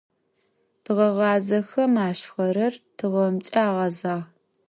Тыгъэгъазэхэм ашъхьэхэр тыгъэмкӀэ агъэзагъ.